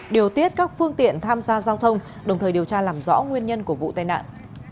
điều tiết các phương tiện tham gia giao thông đồng thời điều tra làm rõ nguyên nhân của vụ tai nạn